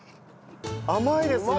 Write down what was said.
甘いですね。